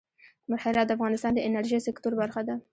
هرات د افغانستان د انرژۍ سکتور برخه ده.